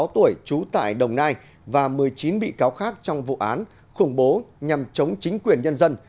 ba mươi sáu tuổi trú tại đồng nai và một mươi chín bị cáo khác trong vụ án khủng bố nhằm chống chính quyền nhân dân